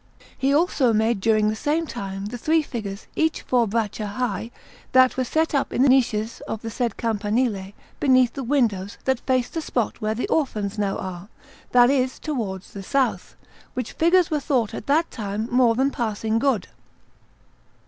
He also made during the same time the three figures, each four braccia high, that were set up in the niches of the said Campanile, beneath the windows that face the spot where the Orphans now are that is, towards the south; which figures were thought at that time more than passing good.